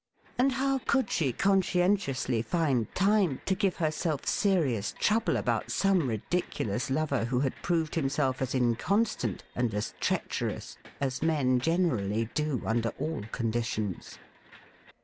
and how could she conscientiously find time to give herself serious trouble about some ridiculous lover who had proved himself as inconstant and as treacherous as men generally do under all conditions